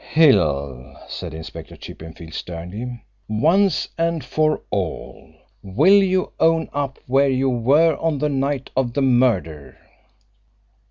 "Hill!" said Inspector Chippenfield sternly. "Once and for all, will you own up where you were on the night of the murder?"